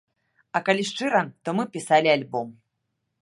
А калі шчыра, то мы пісалі альбом.